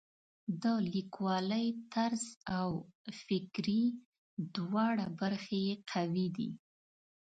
د لیکوالۍ طرز او فکري دواړه برخې یې قوي دي.